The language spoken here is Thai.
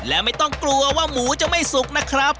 และไม่ต้องกลัวว่าหมูจะไม่สุกนะครับ